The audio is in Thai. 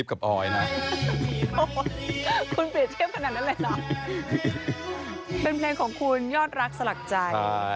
เป็นเพลงของคุณยอดรักสลักใจใช่นะคะ